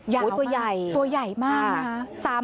ยาวมากตัวใหญ่มากค่ะโอ้โฮตัวใหญ่